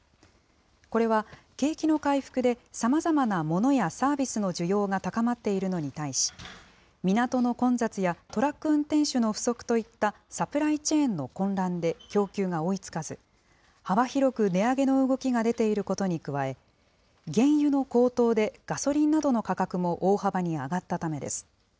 これは、景気の回復でさまざまなモノやサービスの需要が高まっているのに対し、港の混雑やトラック運転手の不足といったサプライチェーンの混乱で供給が追いつかず、幅広く値上げの動きが出ていることに加え、原油の高騰でガソリンなどの価格も大幅に上がったためです。